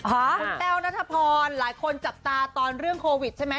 คุณแต้วนัทพรหลายคนจับตาตอนเรื่องโควิดใช่ไหม